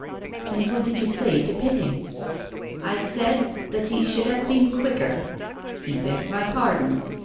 " And what did you say to Pitting ?"" I said that he should have been quicker. He begged my pardon.